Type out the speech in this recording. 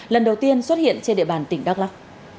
lần đầu tiên xuất hiện trên địa bàn tỉnh đắk lắc